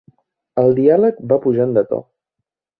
El diàleg va pujant de to.